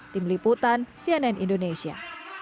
tim liputan cnn indonesia